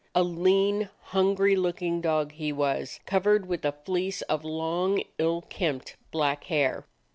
A lean, hungry looking dog he was, covered with a fleece of long, ill kempt, black hair.